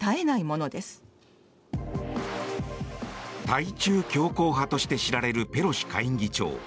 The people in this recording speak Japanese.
対中強硬派として知られるペロシ下院議長。